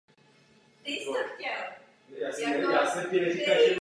Mezi účelová zařízení fakulty patří Centrum výpočetní techniky a knihovna.